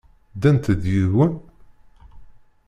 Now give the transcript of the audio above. Ddant-d yid-wen?